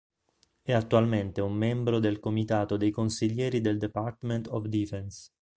È attualmente un membro del comitato dei consiglieri del Department of Defense.